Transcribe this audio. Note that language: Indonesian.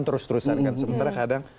terus terusan kan sementara kadang